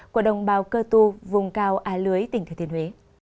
của đồng bào cơ tu vùng cao a lưới tỉnh thừa thiên huế